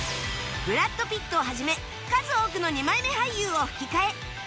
ブラッド・ピットを始め数多くの二枚目俳優を吹き替え